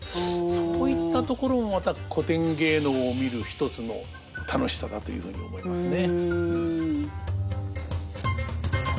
そういったところもまた古典芸能を見る一つの楽しさだというふうに思いますね。